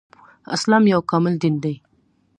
اسلام يو کامل دين دی